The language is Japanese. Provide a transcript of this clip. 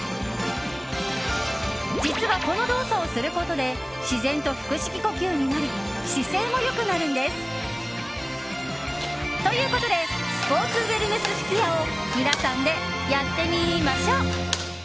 実は、この動作をすることで自然と腹式呼吸になり姿勢も良くなるんです。ということでスポーツウエルネス吹矢を皆さんでやってみましょう！